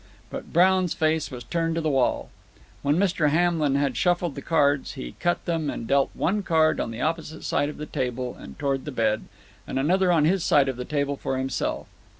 But Brown's face was turned to the wall. When Mr. Hamlin had shuffled the cards, he cut them, and dealt one card on the opposite side of the table and toward the bed, and another on his side of the table for himself.